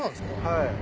はい。